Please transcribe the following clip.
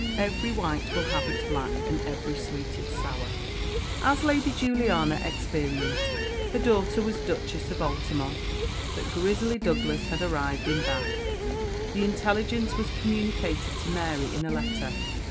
"Every white will have its black, And every sweet its sour:" As Lady Juliana experienced. Her daughter was Duchess of Altamont, but Grizzy Douglas had arrived in Bath! The intelligence was communicated to Mary in a letter.